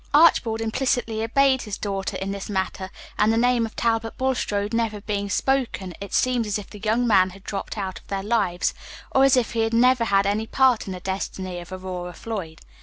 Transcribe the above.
Archibald implicitly obeyed his daughter in this matter, and, the name of Talbot Bulstrode never being spoken, it seemed as if the young man had dropped out of their lives, or as if he had never had any part in the destiny of Aurora Floyd.